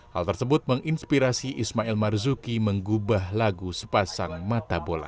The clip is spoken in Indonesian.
hal tersebut menginspirasi ismail marzuki menggubah lagu sepasang mata bola